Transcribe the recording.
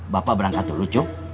bapak berangkat dulu yuk